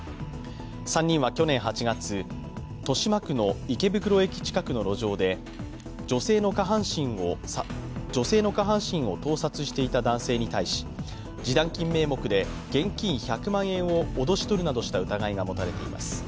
３人は去年８月、豊島区の池袋駅近くの路上で女性の下半身を盗撮していた男性に対し、示談金名目で現金１００万円を脅し取るなどした疑いが持たれています。